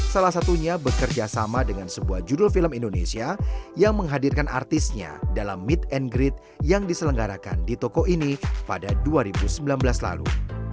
salah satunya bekerja sama dengan sebuah judul film indonesia yang menghadirkan artisnya dalam meet and greet yang diselenggarakan di toko ini pada dua ribu sembilan belas lalu